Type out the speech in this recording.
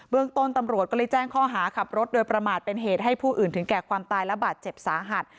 ต้นตำรวจก็เลยแจ้งข้อหาขับรถโดยประมาทเป็นเหตุให้ผู้อื่นถึงแก่ความตายและบาดเจ็บสาหัส